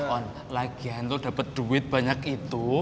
on lagian tuh dapet duit banyak itu